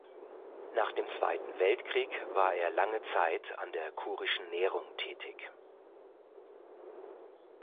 Nach dem Zweiten Weltkrieg war er lange Zeit an der Kurischen Nehrung tätig.